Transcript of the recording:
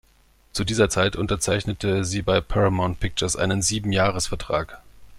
Zu dieser Zeit unterzeichnete sie bei Paramount Pictures einen Siebenjahresvertrag.